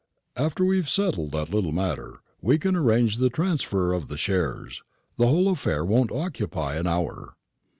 After we've settled that little matter, we can arrange the transfer of the shares. The whole affair won't occupy an hour."